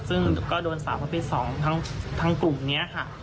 ซึ่งก็โดนสาวประเภท๒ทั้งกลุ่มนี้ค่ะ